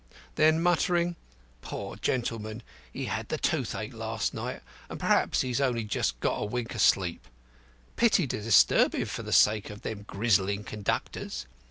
Then, muttering, "Poor gentleman, he had the toothache last night; and p'r'aps he's only just got a wink o' sleep. Pity to disturb him for the sake of them grizzling conductors.